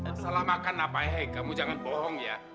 masalah makan apa ya hei kamu jangan bohong ya